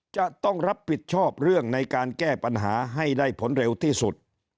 จะต้องรับผิดชอบเรื่องในการแก้ปัญหาให้ได้ผลเร็วที่สุด